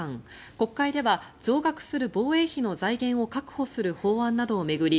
国会では増額する防衛費の財源を確保する法案などを巡り